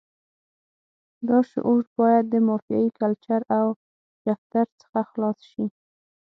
دا شعور باید د مافیایي کلچر له جفتر څخه خلاص شي.